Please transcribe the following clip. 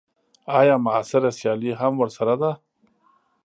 ایا معاصره سیالي هم ورسره ده.